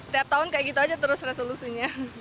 tiap tahun kayak gitu aja terus resolusinya